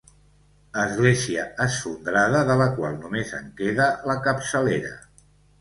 Església esfondrada de la qual només en queda la capçalera.